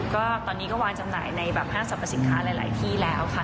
ก็ตอนนี้ก็วางจำหน่ายในแบบห้างสรรพสินค้าหลายที่แล้วค่ะ